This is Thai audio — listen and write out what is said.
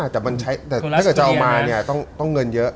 ถ้าจะเอามาเนี่ยต้องเงินเยอะ